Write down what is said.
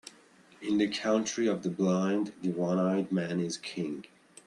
In the country of the blind, the one-eyed man is king.